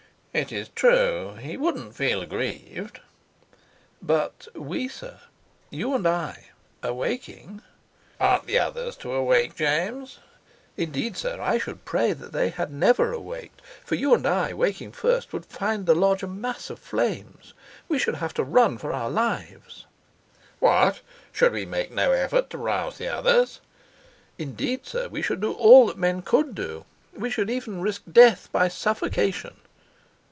"It is true. He wouldn't feel aggrieved." "But we, sir, you and I, awaking " "Aren't the others to awake, James?" "Indeed, sir, I should pray that they had never awaked. For you and I, waking first, would find the lodge a mass of flames. We should have to run for our lives." "What! Should we make no effort to rouse the others?" "Indeed, sir, we should do all that men could do; we should even risk death by suffocation."